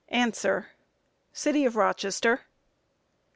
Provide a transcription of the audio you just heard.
City of Rochester.